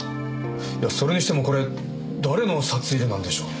いやそれにしてもこれ誰の札入れなんでしょう。